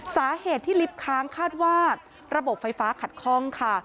สาเหตุที่ลิฟต์ค้างคาดว่าระบบไฟฟ้าขัดคล่องค่ะ